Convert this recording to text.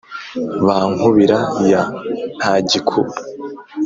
ba nkubira ya ntagikuba,